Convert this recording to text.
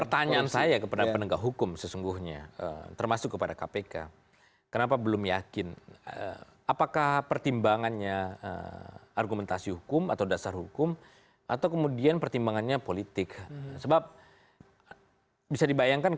tetap bersama kami